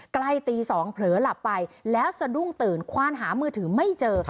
ใกล้ตี๒เผลอหลับไปแล้วสะดุ้งตื่นควานหามือถือไม่เจอ